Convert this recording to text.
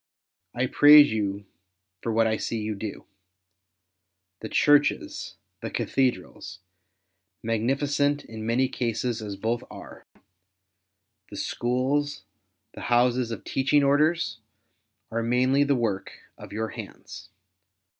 I praise you for what I see you do. The Churches, the Cathedrals — magnificent in many cases as both are — the Schools, the Houses of the Teaching Orders^ are mainly the work of your hands.